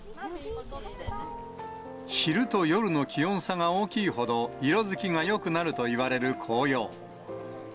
昼と夜の気温差が大きいほど、色づきがよくなるといわれる紅葉。